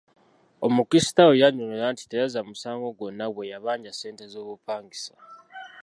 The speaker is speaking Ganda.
Omukulisitaayo yanyonyola nti teyazza musango gwonna bwe yabanja ssente z'obupangisa.